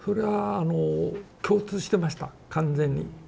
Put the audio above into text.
あの共通してました完全に。